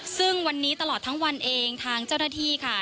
ซึ่งวันนี้ตลอดทั้งวันเองทางเจ้าหน้าที่ค่ะ